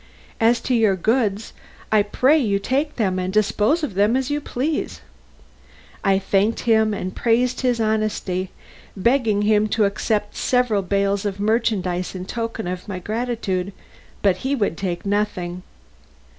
As to your goods, I pray you take them, and dispose of them as you please." I thanked him, and praised his honesty, begging him to accept several bales of merchandise in token of my gratitude, but he would take nothing.